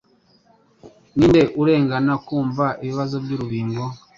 Ninde urengana kumva ibibazo by'urubingo